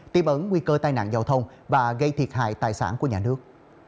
tiêm ấn nguy cơ tai nạn giao thông và gây thiệt hại tài sản của nhà nước